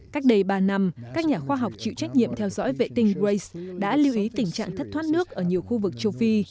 cách đây ba năm các nhà khoa học chịu trách nhiệm theo dõi vệ tinh rais đã lưu ý tình trạng thất thoát nước ở nhiều khu vực châu phi